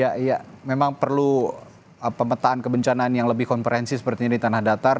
ya ya memang perlu pemetaan kebencanaan yang lebih konferensi seperti ini di tanah datar